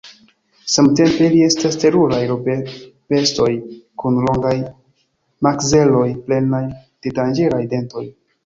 Samtempe ili estas teruraj rabobestoj kun longaj makzeloj plenaj de danĝeraj dentoj.